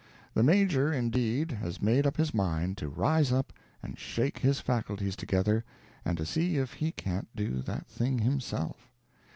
The Major, indeed, has made up his mind to rise up and shake his faculties together, and to see if_ he_ can't do that thing himself.